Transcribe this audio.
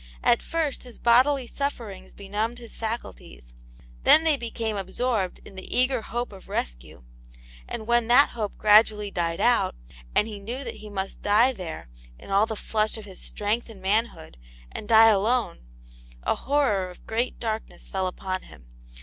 At first his bodily sufferings benumbed his faculties ; then they became absorbed in the eager hope of rescue ; and when that hope gradually died out, and he knew that he must die there in all the flush of his strength and manhood, and die alone, a horror of great darkness fell upon him.